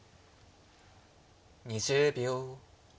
２０秒。